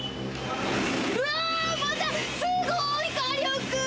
うわまたすごい火力！